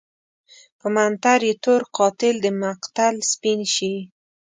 په منتر يې تور قاتل دمقتل سپين شي